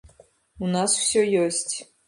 У нас усё ёсць.